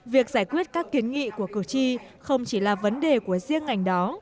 việc giải quyết các kiến nghị của cử tri không chỉ là vấn đề của riêng ngành đó